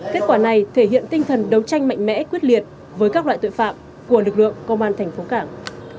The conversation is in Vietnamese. kết quả này thể hiện tinh thần đấu tranh mạnh mẽ quyết liệt với các loại tội phạm của lực lượng công an thành phố cảng